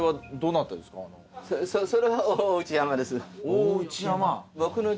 大内山。